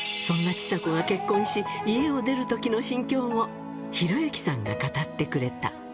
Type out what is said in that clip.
そんなちさ子が結婚し、家を出るときの心境を、弘之さんが語ってくれた。